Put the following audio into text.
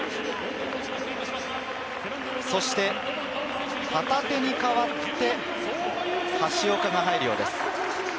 そして旗手に代わって、橋岡が入るようです。